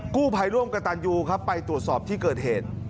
กู้ภัยร่วมกับตันยูครับไปตรวจสอบที่เกิดเหตุ